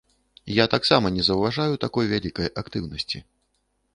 Я таксама не заўважаю такой вялікай актыўнасці.